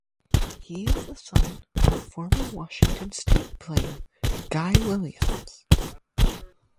He is the son of former Washington State player Guy Williams.